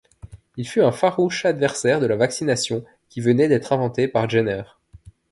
Il fut un farouche adversaire de la vaccination qui venait d'être inventée par Jenner.